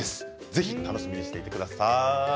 ぜひ楽しみにしていてください。